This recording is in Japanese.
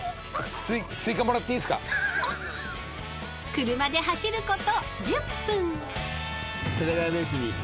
［車で走ること１０分］